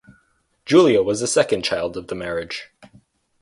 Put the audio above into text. Julia was the second child of the marriage.